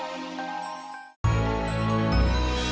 kita pulang sekarang